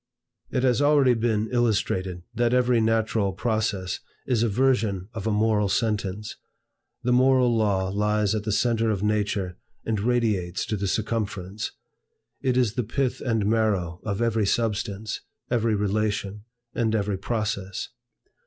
It has already been illustrated, that every natural process is a version of a moral sentence. The moral law lies at the centre of nature and radiates to the circumference. It is the pith and marrow of every substance, every relation, and every process.